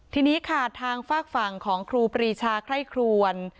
ทีนี้ค่ะทางฝากฝั่งของครูปรีชาไคร่ครวน